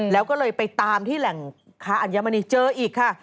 แล้วก็เลยไปตามที่แหล่งค้าอัญมณีเจออีกค่ะ